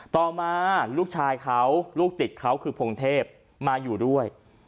ต่อมาลูกชายเขาลูกติดเขาคือพงเทพมาอยู่ด้วย